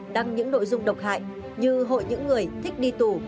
đăng những nội dung độc hại như hội những người thích đi tù